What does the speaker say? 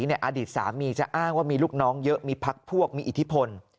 อดีตสามีจะอ้างว่ามีลูกน้องเยอะมีพักพวกมีอิทธิพล